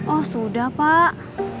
oh sudah pak